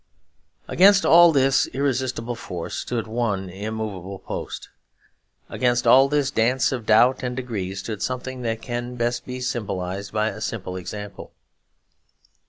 Against all this irresistible force stood one immovable post. Against all this dance of doubt and degree stood something that can best be symbolised by a simple example.